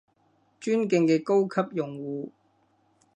尊敬嘅高級用戶